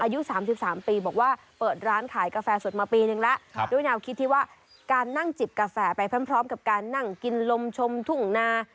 อายุ๓๓ปีบอกว่าเปิดร้านขายกาแฟสดมาปีนึงแล้วด้วยแนวคิดที่ว่าการนั่งจิบกาแฟไปพร้อมกับการนั่งกินลมชมทุ่งนา